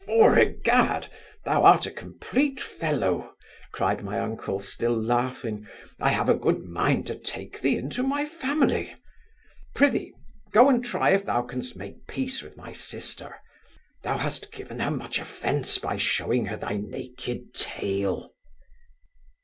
'Foregad! thou are a complete fellow (cried my uncle, still laughing) I have a good mind to take thee into my family Prithee, go and try if thou can'st make peace with my sister Thou ha'st given her much offence by shewing her thy naked tail.